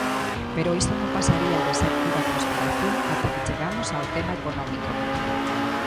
Pero isto non pasaría de ser pura conspiración até que chegamos ao tema económico.